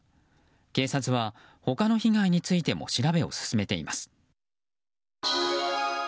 警察は、他の被害についても調べを進めています。